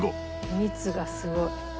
蜜がすごい。